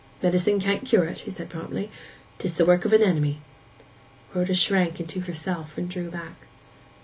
'Medicine can't cure it,' he said promptly. ''Tis the work of an enemy.' Rhoda shrank into herself, and drew back.